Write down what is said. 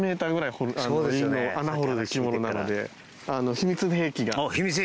秘密兵器が？